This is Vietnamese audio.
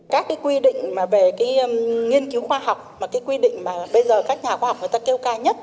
các quy định về nghiên cứu khoa học quy định mà bây giờ các nhà khoa học kêu ca nhất